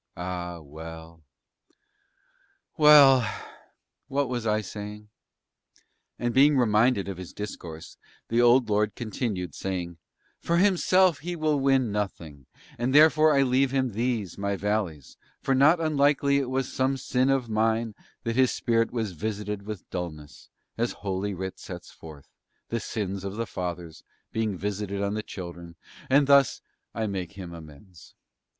ah well, well ... what was I saying?" And being reminded of his discourse, the old lord continued, saying, "For himself he will win nothing, and therefore I will leave him these my valleys, for not unlikely it was for some sin of mine that his spirit was visited with dullness, as Holy Writ sets forth, the sins of the fathers being visited on the children; and thus I make him amends.